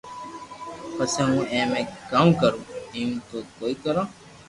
پسي ھون اي مي ڪاوُ ڪرو ايم تو ڪوئي ڪرو